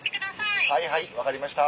はいはい分かりました。